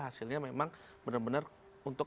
hasilnya memang benar benar untuk